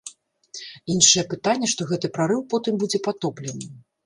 Іншае пытанне, што гэты прарыў потым будзе патоплены.